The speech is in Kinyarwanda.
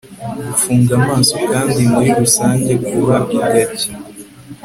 gufunga amaso kandi muri rusange kuba ingagi